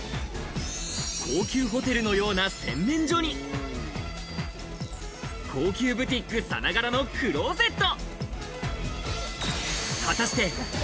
高級ホテルのような洗面所に、高級ブティックさながらのクローゼット。